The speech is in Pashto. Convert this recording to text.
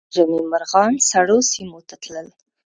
د ژمي مرغان سړو سیمو ته تلل